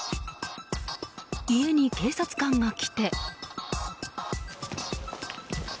家に警察官が来て。